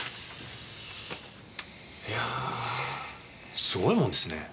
いやあすごいもんですね。